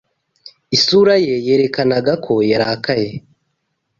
Isura ye yerekanaga ko yarakaye.